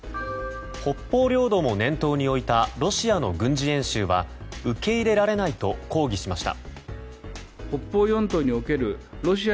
北方領土も念頭に置いたロシアの軍事演習は受け入れられないと抗議しました。